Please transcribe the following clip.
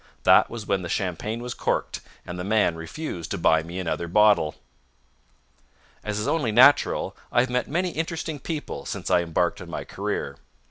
That was when the champagne was corked, and the man refused to buy me another bottle. As is only natural, I have met many interesting people since I embarked on my career.